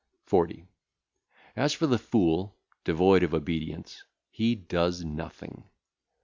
40. As for the fool, devoid of obedience, he doeth nothing.